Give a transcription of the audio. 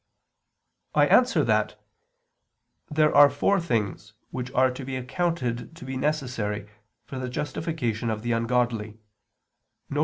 I answer that, There are four things which are accounted to be necessary for the justification of the ungodly, viz.